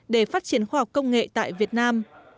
để phát triển khoa học công nghệ tại việt nam